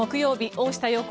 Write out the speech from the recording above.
「大下容子